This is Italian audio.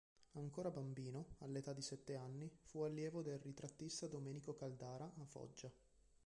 Ancora bambino, all'età sette anni, fu allievo del ritrattista Domenico Caldara a Foggia.